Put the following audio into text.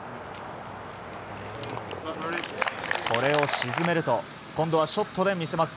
これを沈めると今度はショットで見せます。